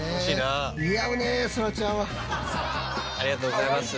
ありがとうございます。